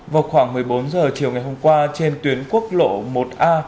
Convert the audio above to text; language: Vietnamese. vào khoảng một mươi bốn h chiều ngày hôm qua trên tuyến quốc lộ một a